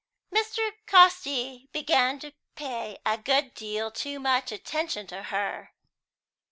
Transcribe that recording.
"Mr. Casti began to pay a good deal too much attention to her."